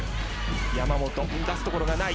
山本、出すところがない。